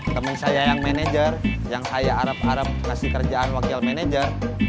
temen saya yang manajer yang saya harap harap kasih kerjaan wakil manajer